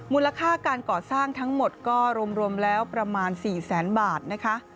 มูลค่าการก่อสร้างทั้งหมดก็รวมแล้วประมาณ๔แสนบาทนะคะ